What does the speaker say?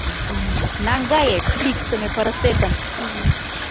Наҥгае пиктыме пырысетым!